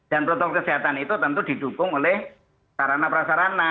dan protokol kesehatan itu tentu didukung oleh sarana prasarana